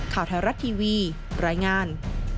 ข่าวไทยรัฐทีวีรายงาน